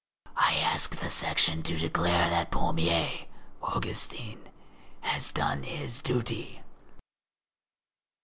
I ask the Section to declare that Pommier (Augustin) has done his duty."